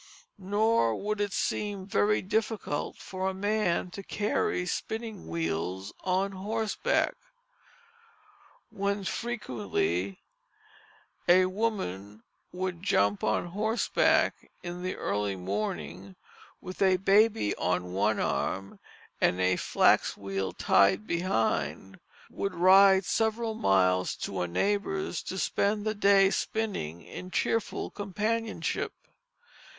Nor would it seem very difficult for a man to carry spinning wheels on horseback, when frequently a woman would jump on horseback in the early morning, and with a baby on one arm and a flax wheel tied behind, would ride several miles to a neighbor's to spend the day spinning in cheerful companionship.